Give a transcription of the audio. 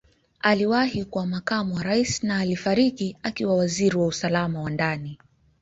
Aliwahi kuwa Makamu wa Rais na alifariki akiwa Waziri wa Usalama wa Ndani.